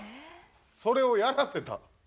それをやらせた。